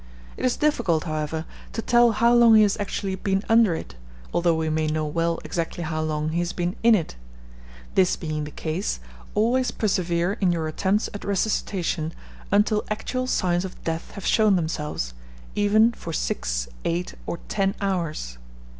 It is difficult, however, to tell how long he has actually been under it, although we may know well exactly how long he has been in it. This being the case, always persevere in your attempts at resuscitation until actual signs of death have shown themselves, even for six, eight, or ten hours.